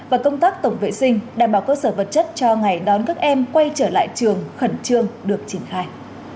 và công tác tổng vệ sinh đảm bảo cơ sở vật chất cho ngày đón các em quay trở lại trường khẩn trương được triển khai